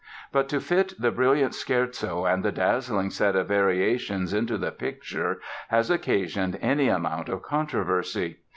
But to fit the brilliant Scherzo and the dazzling set of variations into the picture has occasioned any amount of controversy.